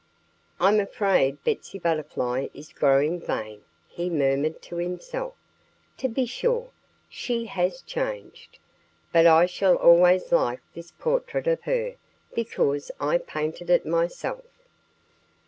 "I'm afraid Betsy Butterfly is growing vain," he murmured to himself. "To be sure, she has changed. But I shall always like this portrait of her, because I painted it myself."